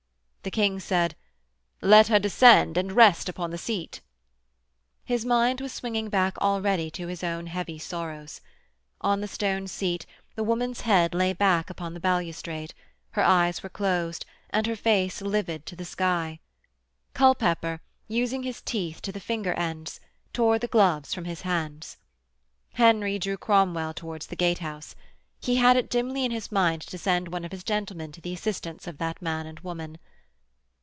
The King said: 'Let her descend and rest upon the seat.' His mind was swinging back already to his own heavy sorrows. On the stone seat the woman's head lay back upon the balustrade, her eyes were closed and her face livid to the sky. Culpepper, using his teeth to the finger ends, tore the gloves from his hands. Henry drew Cromwell towards the gatehouse. He had it dimly in his mind to send one of his gentlemen to the assistance of that man and woman.